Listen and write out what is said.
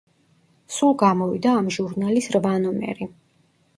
სულ გამოვიდა ამ ჟურნალის რვა ნომერი.